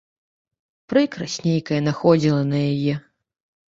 Прыкрасць нейкая находзіла на яе.